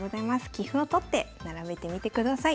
棋譜をとって並べてみてください。